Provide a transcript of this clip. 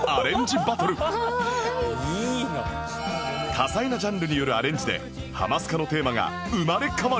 多彩なジャンルによるアレンジで『ハマスカ』のテーマが生まれ変わる！